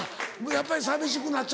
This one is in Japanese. やっぱり寂しくなっちゃったの？